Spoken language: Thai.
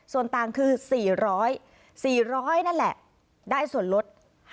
ส่วนต่างคือ๔๐๐๔๐๐นั่นแหละได้ส่วนลด